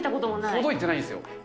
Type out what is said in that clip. ほどいてないんですよ。